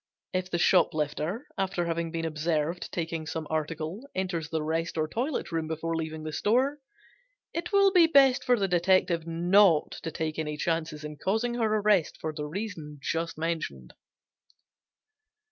If the shoplifter, after having been observed taking some article, enters the rest or toilet room before leaving the store, it will be best for the detective not to take any chances in causing her arrest for the reason just mentioned.